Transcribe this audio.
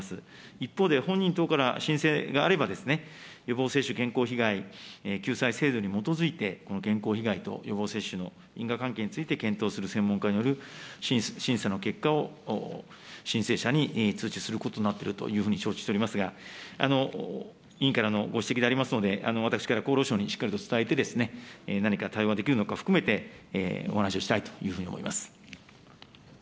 一方で、本人等から申請があれば、予防接種健康被害救済制度に基づいて、この健康被害と予防接種の因果関係について、検討する専門家による審査の結果を申請者に通知することとなっているというふうに承知しておりますが、委員からのご指摘でありますので、私から厚労省にしっかりと伝えて、何か対応ができるかも含めて、お話をしたいというふうに思います。